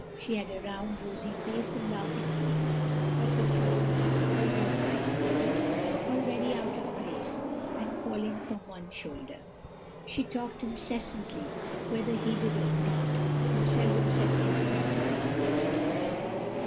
She had a round rosy face and laughing eyes; but her clothes, although quite new, were already out of place, and falling from one shoulder. She talked incessantly, whether heeded or not, and seldom said anything to the purpose.